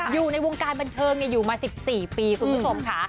อยู่ในวงการบันเทิงอยู่มา๑๔ปีคุณผู้ชมค่ะ